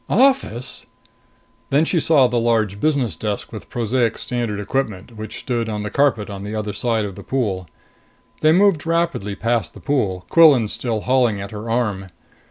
"Office!" Then she saw the large business desk with prosaic standard equipment which stood on the carpet on the other side of the pool. They moved rapidly past the pool, Quillan still hauling at her arm.